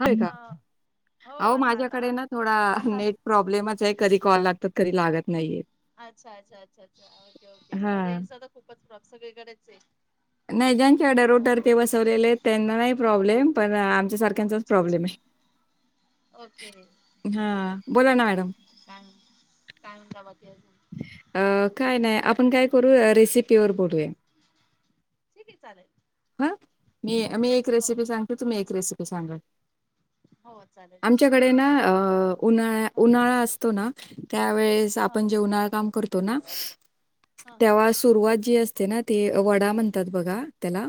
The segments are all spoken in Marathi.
होयं का हा हो अहो आता आला माझ्याकडे ना थोडा नेट प्रॉब्लेमच ये कधी कॉल लागतात कधी लागत नाहीयेत अच्छा अच्छा अच्छा अच्छा ओके ओके हां. रेंजचा खूपच प्रॉप सगळीकडेच आहे नाही ज्यांच्या हो डरोडरके बसवलेले आहेत त्यांना नाही प्रॉब्लेम पण आमच्या सारख. त्यांचाच अच्छा अच्छा प्रॉब्लेमये ओके हं बोला ना मॅडम सांग सांग जा म ते अ काय नाही आपण काय करू रेसिपीवर बोलूया ठीक आहे चालेल हा मी मी ओके एक ओके हो रेसिपी सांग. हो तुम्ही एक रेसिपी सांगल. हो. चालेल ठीक आमच्याकडे ना आहे उन्हाळा हा उन्हाळा असतो ना त्यावेेळेस हा आपण. हा जे उन्हाळ काम करतोना हा हा तेव्हासं सुरुवात जी असते ना ते वडा म्हणतात बघा त्याला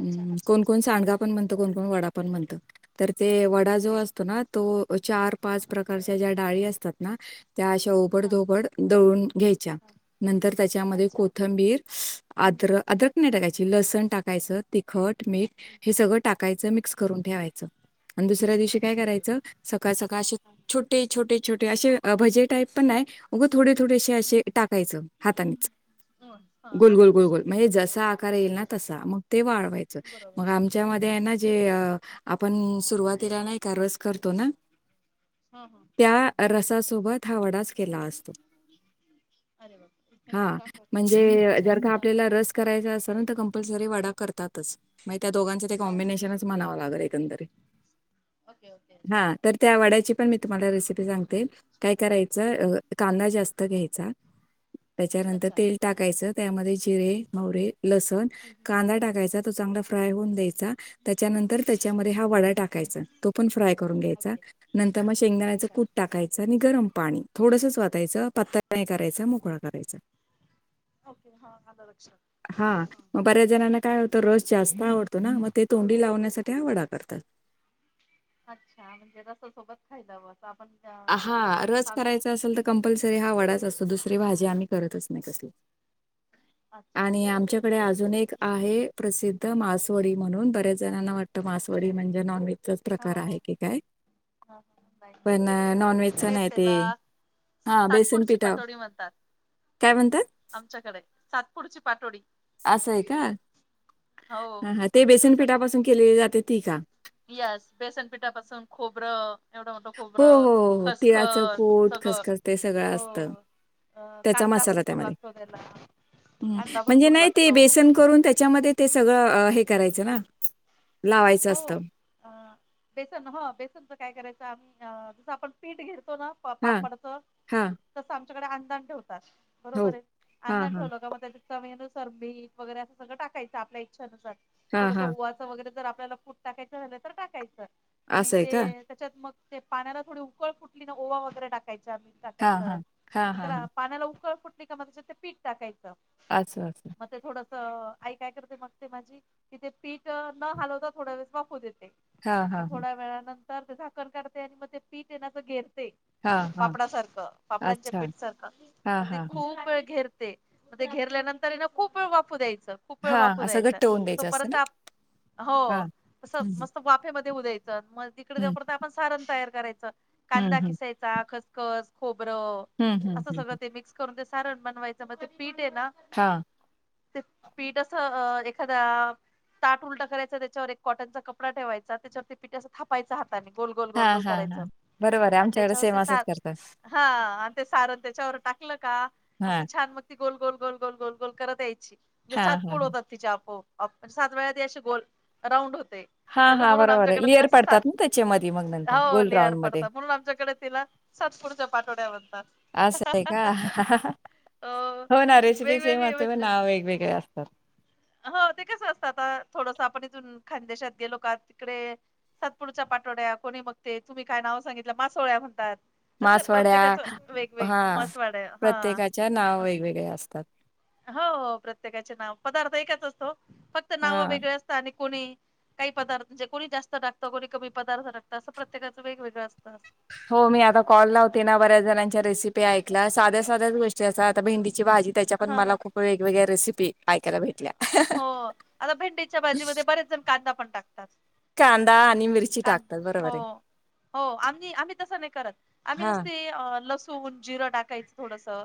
अच्छा अच्छा अच्छा कोणकोण अच्छा सांडगा पण ओके म्हणत कोणकोण वडा पण म्हणत तर ते वडा जो ओके असतो ना चार हा पाच प्रच्या ज्या डाळी असतात ना त्याश. पड हा धोपड दळून घ्यायच्या. हा नंतर त्याच्यामध्ये अच्छा कोथंबीर आद्रक हम्म अद्रक नाही टाकायचे ची लसण टाकायचं तिखट मीठ हम्म हे सगळं टाकायचं मिक्स करून ठेवायचं आणि दुसऱ्या दिवशी काय ओके करायचं सकाळ सकाळ असे छोटे छोटे छोटे असे भजे टाईप. पण नाही. अगं थोडे थोडेसे असे टाकायचं हातानेचं हा हा गोल आलं गोल गोल गोल लक्षात म्हणजे अच्छा जसा. येल ना तसा मग ते वाढवायच बरोबर मग आमच्या म आहे ना जे. आपण सुरुवातीला नाही का रस करतो ना. हा हा. त्या रसासोबत हा वडाच केला असता अरे हा बापरे! किती म्हणजे जर छान का हा हा आपल्याला रास करायचं असेल तं कम्पलसरी वडा करतातंच नाही त्या दोघांचे ते हा हा हा. कॉम्बिनेशनच म्हणावं लागल एकंदरी. Okay okay. हा तर त्या वाड्याची पण मी हम्म, तुम्हाला रेसिपी सांगते काय कराय हम्म. अ कांदा जास्त घ्यायचा. त्याच्यानंतर अच्छा तेल हम्म, टाकायचं त्यामध्ये जिरे मे लसण हम्म. का दा टाकायचा तो चांगला फ्रा होन द्यायचा. त्याच्यानंतर त्याच्यामध्ये हा वडा टाकायचा तो पण फ्राय करून घ्यायचा. ओके नंतर मग शेंगदाण्याचं अच्छा कूट टाकाय च आणि गरम पाणी थोडसचवातायचं पातळ नाही करायचं हो. मोकळा करायचा. ओके हा आलं लक्षात हा मग बऱ्याच जणांना काय होत रस जास्त आवडतो ना मग ते तोंडी लावण्यासाठी हा वडा करतात. अच्छा म्हणजे जसं सोबत खायलावं असं आपण. अ, हा रस जसं आमच्या करायचा असेल तर कंपल्सरी हा वडाच असतो दुसरी भाजी आम्ही करतच नाही कसली. अच्छा आणि अच्छा अच्छा आमच्याकडे असंच अजून एक करतात. आहे. प्रसिद्ध मासवडी म्हणून बऱ्याच जणांना वाटतं मासवडी म्हणजे नॉनव्हेजचाच प्रकार आहे की काय. हां हां बाय बाय. पण अ, नॉनव्हेजचा आमच्याकडे नाही ते त्याला हां, बेसन साठपुडची पिठा पातोळी म्हणतात. काय म्हणतात? आमच्याकडे सातपुडची पाटोडी. असं आहे का ह हा ते आमच्याकडे बेसनपिठापासून केलेली जाते ती का. यास बेसनपीठापासून खोबरं. एवढं मोठं हो, खोबरं हो, हो, हो. तिळाचं खसखस कूट, सगळं खसखस ते सगळं असतं. हो. अ त्याचा कांदा भरपूर लागतो त्याला. ह कांदा म्हणजे भरपूर नाही ते लागतो बेसन करून त्याच्यामध्ये. ते सगळं हे करायचं ना लावायचं हो. असतं. अ बेसन ह बेसनच काय करायचं आम्ही जसं आपण पीठ घेतो ना. हां, पापडच हां. तसं आमच्याकडे अंंदण ठेवतात. हो. बरोबर आहे हां, अंंदन हां. ठेवलं का मग त्याच्या चवीनुसार भीक वगैरे असं सगळं टाकायचं आपल्या इच्छे नुसार. हां, थोडस हां. हाचं वगैरे जर आपल्याला फूट टाकायचं झालं तर टाकायचं आणि असं आहे का? ते त्याच्यात मग ते पाण्याला थोडी उकळ फुटली ना ओवा वगैरे टाकायच्या मीठ हां, टाकायचं हां. हां, मग हां, त्याला हां. पाण्याला उकळ फुटली का मग त्याच्यात पीठ टाकायचं. असच्छा असच्छा. मग ते थोडासा आई काय करते मग माझी किती पीठ न हलवता. थोड्या वेस वाफू देते हां, मग हां, हां. थोड्या वेळा नातं तर ते झाकण करते आणि मग ते पीठ आहे ना ते घेरते. हां, हां. पापड सारखं पापडांच्या अच्छा. पीठ सारखं हां, मग ते हां, हां. खूप वेळ घेरते. म ते घेरल्यानंतरना खूप वेळ वापू द्यायचं. खूप वेळ हां, वापर असं द्यायचा घट्ट होऊन द्यायचं असतं तोपर्यंत ना? हो. हां. हं, हं. मस्त वाफे मधे उ द्यायचं मग तिकडे हं, द आपण सारण तयार करायचं हं, कांदा हं. किसाय खसखस खोबरं हं, हं, अस हं, सगळं हं. ते मिक्स. करून ते सारण बनवायचं मग ते पीठे है ना. हा. ते पीठ असं अ एखादा ताट उलटा करायचं त्याच्यावर एक कॉटनचा कपडा ठेवायचा त्याच्यावरती पिठ्या असं थापायचा हाताने गोल गोल हां, गोलगोल हां, करायच हां. बरोबर आहे आमच्याकडे सेम असच करतात हा आणि ते सारण त्याच्यावर टाकलं का असं हां. छान मग गोल गोल गोल गोल गोल गोल करत यायची म्हणजे हां, हां, सातपुड हां. होतात तिच्या आपो प सात वेळा ते अे गोल राऊंड होते हां, त्याला हां. म्हणून बरोबर आहे. आमच्याकडे तिला लेयर पडतात ना त्याच्यामध्ये मग नंतर गोल हो िहर राउंडमध्ये. पडता म्हणून आमच्याकडे तिला सातपुरच्या पाठोड्यावरतात आ स आहे का हो ना रेसिपी सेम वेगवेगळे असे प म्हणजे नाव वेगवेगळे असतात हो ते कसं असतं आता थोडस आपण इथून खांदेशात गे लोक तिकडे सातपुडच्या पाठोड्या कोणी बगते तुम्ही काय नाव सांगितलं मासोळ्या म्हणतात असं मासवड्या प्रत्येकाच हा वेगवेग मस वाड्या हा प्रत्येकाच्या नाव वेगवेगळे असतात. हो हो प्रत्येकाचे नाव पदार्थ एकच असतो फक्त नाव हा वेगळे असतात आणि कोणी काही पदार्थणजे कोणी जास्त टागतं कोणी कमी पद्थ टात असं प्रत्येकाचं वगळ असत हो मी आता कॉल लावते ना बऱ्याच जणांच्या रेसिपी ऐकला साध्या साध्याच गोष्टी अस आता भेंडीची भाजी. त्याच्या पण हा मला हा खूप वेगवेगळ्या रेसिपी ऐकायला भेटल्या हो आता भेंडीच्या भाजीमध्ये बरेच जण कांदा पण टाकतात कांदा मिरची कांदा टाकतात हो बरोबर आहे. हो आम्ही आम्ही तसं नाही करत आम्ही हा नुसते लस सोहून जिरं टाकायचं थोडसं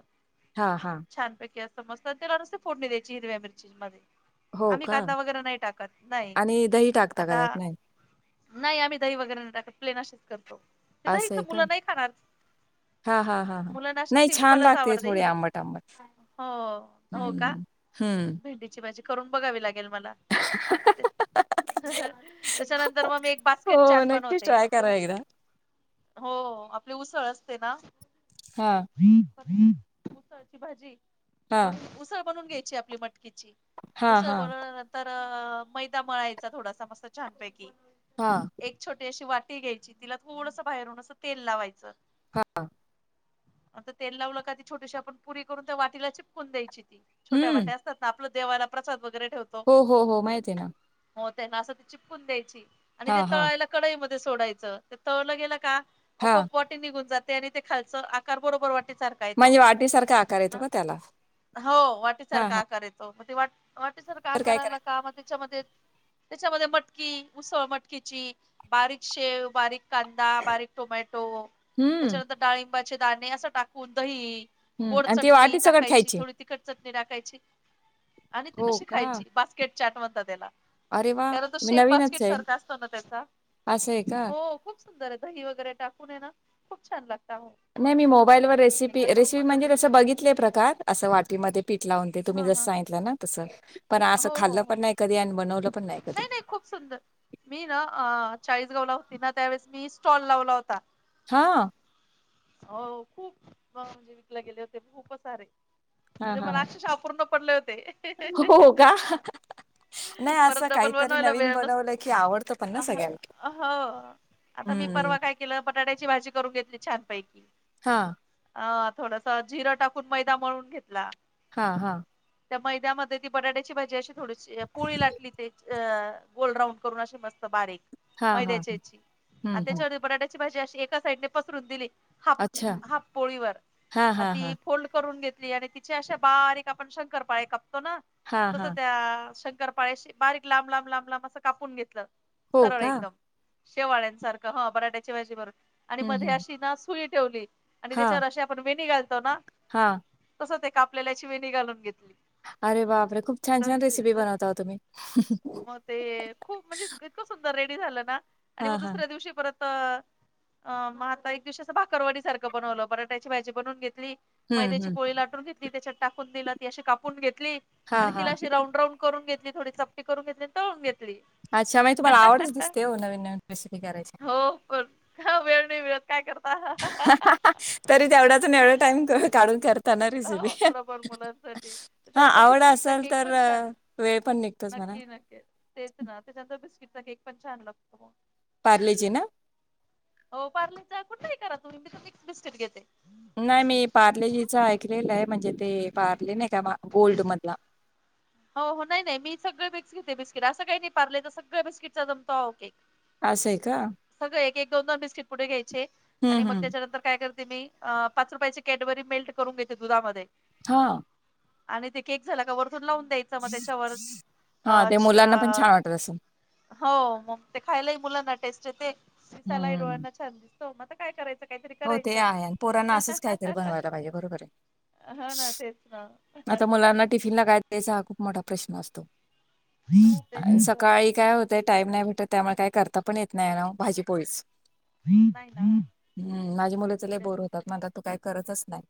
हा हा छानपैकी असं मस्त त्याला नुसते फोडणी द्यायची हिरव्या मिरची मध्ये हो आम्ही का कांदा वगैरे नाही टाकत नाही आणि दही टाकता का आता त्यात नाही नाही आम्ही दही वगैरे नाही टाकत प्लेन अशीच करतो ते असं आहे दहीच का? मुलं नाही खाणार हा हा हा हा मुलांना अशी नाही छान सिम्पलच लागते आवडते थोडे हिर आंबट आंबट हो हम्म हम माझी करून बघावी लागेल मला त्याच्यानंतर मग मी एक हो बास्केट चाट नक्कीच बनवते ट्राय आपले करा एकदा. हो आपले उसळ असते ना हां, उसळची भाजी ब हां, उसळ बनून घ्यायची आपली मट हां, हां, मुसळबरल्या नंतर मैदा मळायचा थोडासा मस्त छानपैकी हा एक छोटी अशी वाटी घ्यायची तिला थोडस बाहेरून असं तेल लावायचं हा हां आ तेल लावलं का ती छोटीशी आपण पुरी करून त्या वाटीला चिपकून द्यायची ती छोट हम्म. वाट्या असतात ना आपल्या देवाना प्रसाद वगैरे ठेवो हो हो हो माहिती आहे ना हो त्यांना असं त चिपकून द्यायची आणि ते हां, हां, तळायला कडई सोडायचं ते तळलं गेलं का हां. आप निघून जाते आणि ते खालच आकार बरोबर वाटेार म्हणजे वाटीसारखा आकार येतो का त्याला? हो वाटे हां, सारखा हां. कय मग ते वा वाटे सर का तर काय करायला करायचं? का मग त्याच्यामध्ये त्याच्यामध्ये मटकी उसळ मटकीची बारीक शेव बारीक कांदा बारीक टोमॅटो हम्म, त्याच्यानंतर डाळिंबाचे दाणे असं टाकून दही हं. गोड आणि ती चटणी वाटी सकट टाकायची खायची? थोडी तट चटणी टाकायची आणि त हो तशी का? खायची बास्केट चाट म्हणत त्याला अरे वाह! त्याला तो मी शेप नवीनच बास्केट आहे. सारखा असतो ना त्याचा असं आहे का? हो खूप सुंदर आहे दही वगैरे टाकून ये ना खूप छान लागत नाही मी मोबाईलवरर रेसिपी रेसिपी बघा म्हणजे तुम्ही तसं बघितय प्रकारात असं वाट म ला तुम्ही हा जस हा सांगितलं ना तस पण अस हो हो खल्लं हो पण नाही कधी बनव नाही नाही खूप सुंदर. मी न अ चाळीसगावला होती ना त्यावेळेस मी स्टॉल लावला होता. हा. हो खूप म्हणजे विकले गेले होते खूपच सारे. हां, म्हणजे हां, मला हां. अक्षरशा अपूर्ण पडले होते. हो का. नाही असं परत डबल काहीतरी बनवायला नवीन वेळ नसतो बनवलं की आवडतं पण ना हां, सगळ्यांना. हो आता मी हम्म परवा काय केलं बटाट्याची भाजी करून घेतली छानपैकी. हा. अ थोडस जिरं टाकून मैदा मळून घेतला. हा हा. त्या मैद्यामध्ये ती बटाट्याची भाजी अशी थोडीशी पोळी लाटली. ते अ, गोल राऊड करून मस्तबारीक, हा हा मैद्याच्या हिची, अन् हम्म हम्म त्याच्यावर बटाटा ची भाजी अशी एका साईडने पसरून दिली, हाफ, अच्छा हाफ पोळी वर, हा अन हा ती हा फोल्ड करून घेतली आणि तिची अशे बारीक आपण शंकरपाळे कापतो ना. हा तस हा त्या शंकरपाळ्याशी बारीक लांब लांब लांब लांब असं कापून घेतलं. हो सरळ का एकदम, शेवाळ्यांसारखं हा बराट्याची भाजी भरून, आणि हम्म मध्ये हम्म अशी ना खूळी ठेवली, आणि हा त्याच्यावर अशी आपण वेनी घालतो ना. हा. तसं ते कापल्याल्याची वेणी घालून घेतली. अरे बापरे! खूप छान-छान रेसिपी बनवता ओ तुम्ही. म ते खूप म्हणजे इतकं सुंदर रेडी झालं ना, आणि हा मग हा दुसऱ्या दिवशी परत त, अ म आता एक दिवशी असं भाकरवाडी सारखं बनवलं बटाट्याची भाजी बनवून घेतली. हम्म मैद्याची हम्म पोळी लाटून घेतली त्याच्यात टाकून दिल ती अशी कापून घेतली, हा आणि हा तिला अशी राऊंड राऊंड करून घेतली थोडी चपटी करून घेतली. तळून घेतली, अच्छा म्हणजे तुम्हाला आवडच दिसते हो नवीन नवीन रेसिपी करायची हो पण वेळ नाही मिळत काय करता. तरी तेवढ्यातून एवढा टाइम काढून कर त ना रेसिपी, हो थोडंफार मुलांसाठी हा त्याच्यानंतर आवडा बिस्किटचा असल केक तर पण छान वेळ पण निघतोच म्हणा. नक्की नक्की तेच ना त्याच्यानंतर बिस्किटचा केक पण छान लागतो. पारलेजी ना. हो पार्लचा कुठला ही करा तुम्ही मी तर मिक्स बिस्किट घेते. नाही मी पार्लेजीचं ऐकलेलं आहे म्हणजे ते पार्ले नाही का गोल्ड मधला. हो हो नाही नाही मी सगळे मिक्स घेते बिस्किट असं काही नाही पारलेच सगळ्या बिस्किटचा जमतो अहो केक. असं आहे का? सगळे एक एक दोन दोन बिस्किट पुडे घ्यायचे, आणि हम्म मग हम्म. त्याच्यानंतर काय करा ते मी अ पाच रुपयाची कॅटबरी मेल्ट करून घेते दुधामध्ये. हा. आणि ते केक झाला का वरतून लावून द्यायचं मग त्याच्यावर, हा ते अच्छ मुलांना पण आ छान वाटत असेल. हो मग ते खायलाही मुलांना टेस्ट येते, दिसालाही हम्म. डोळ्यांना छान दिसतो मग काय कराय हो ते आहे आणि पोरांना असंच काहीतरी बनवायला पाहिजे बरोबर आहे. ह न तेच ना. आता मुलांना टिफिनला काय दायचा हा खूप मोठा प्रश्न असतो. टेन्शन होतं सकाळी काय हो ते टाईम नाही भेटत त्यामुळे काय करता पण येत नाही ना ओ भाजी पोळीच. [unintelligible] नाही ना. हम्म माझी मुले तर लय बोर होतात म्हणतात तू काय करतच नाही.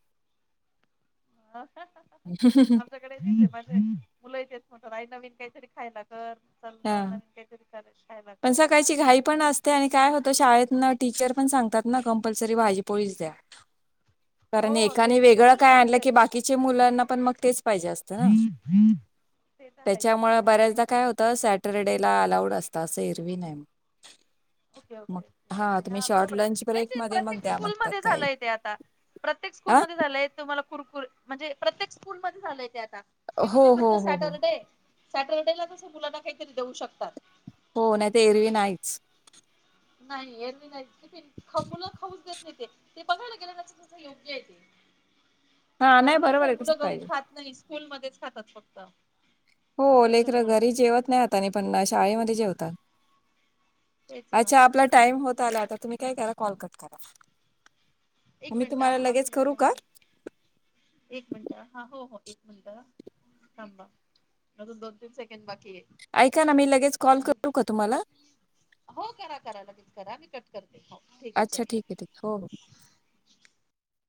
[unintelligible] [unintelligible] मुलही तेच म्हणतात आई नवीन काहीतरी खायला कर. चल ना नवीन काहीतरी कर खायला कर. निघायचे घाई पण अस ते आणि काय होत शाळेत ना टीचर पण सांगतात ना कंपल्सरी भाजीपोळीच द्या. कारण हो एकाने ते वेगळं काय कंपल्सरीच आणलं आहे की आता. बाकीच्या मुलांना पण मग तेच पाहिजे असत ववि [inaudible] त्याच्यामुळे बऱ्याचदा काय होत. तर सॅटरडे ला अलाउड असत असं एरवी नाही. ओके मग ओके तुम्ही हा शॉर्ट बरोबर आहे. लंच नाही ब्रेक ते मध्ये मग प्रत्येक द्या स्कूल म्हणतात मध्ये काही झालंय ते आता, प्रत्येक स्कूल हा मध्ये झालंय तुम्हाला कुरकुर म्हणजे प्रत्येक स्कूल मध्ये झालंय ते आता. कि हो तुम्ही हो फक्त हो हो सॅटरडे सॅटरडेला तसं मुलांना काहीतरी देऊ शकतात. हो नाही ते एरवी नाहीच. नाही येरवी नाही टिफिन मुला खाऊन देत नाही ते- ते बघायला गेल्या तस योग्य आहे ते हा नाही कारण कस बरोबर आहे मुलं तसंच घरी पाहिजे खात नाही. स्कूलमध्येच खातात फक्त. हो लेकर त्याच्यामुळे घरी जेवत नाही आता आणि पण शाळेमध्ये जेवतात. तेच ना अच्छा आपला टाइम होत आला आता तुम्ही काय करा कॉल कट करा? एक मी मिनिट तुम्हाला हा लगेच करू का? अजून एक मिनिट हा हो हो एक मिनिटं. थांबा अूनन दोन तीन सेकेंद बाकी आहे. ऐका ना मी लगेच कॉल पूर्ण करू का तुम्हाला? हो करा-करा लगेच करा मी क करते हो. आहे अच्छा चल ठीक आहे ठीक हो.